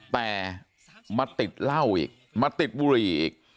แต่มาติดเหล้าอีกมาติดบุหรี่อีก